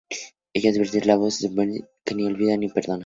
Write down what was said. Ella advierte a Davos y a Melisandre que ni olvida ni perdona.